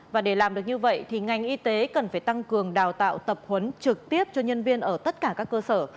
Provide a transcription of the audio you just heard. và để làm được như vậy thì ngành y tế cần phải tăng cường đào tạo tập huấn trực tiếp cho nhân viên ở tất cả các cơ sở